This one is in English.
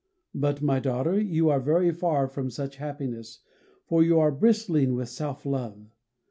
But, my daughter, you are very far from such happiness, for you are bristling with self love.